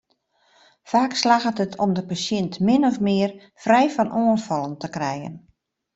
Faak slagget it om de pasjint min ofte mear frij fan oanfallen te krijen.